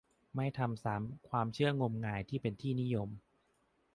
ไม่ทำซ้ำ ความเชื่องมงายที่เป็นที่นิยม